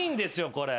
これ。